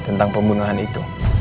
tentang pembunuhan itu